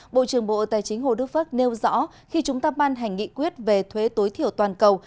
bộ trưởng bộ tài chính hồ đức phước nêu rõ khi chúng ta ban hành nghị quyết về thuế tối thiểu toàn cầu